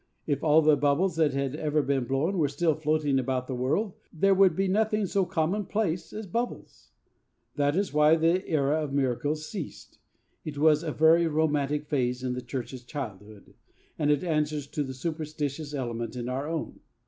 If all the bubbles that had ever been blown were still floating about the world, there would be nothing so commonplace as bubbles. That is why the era of miracles ceased. It was a very romantic phase in the Church's childhood, and it answers to the superstitious element in our own.